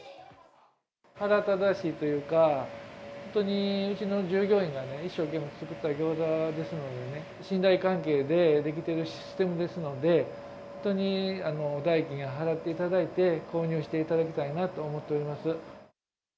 腹立たしいというか、本当にうちの従業員がね、一生懸命作ったギョーザですので、信頼関係で出来てるシステムですので、本当に代金払っていただいて、購入していただきたいなと思っております。